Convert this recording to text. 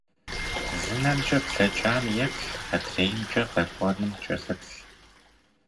Зы нэмкӏэ блэкӏам еплъ, адреимкӏэ къэкӏуэнум кӏэлъыплъ.